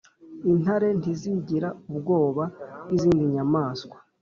Intare ntizigira ubwoba bwizind nyamaswa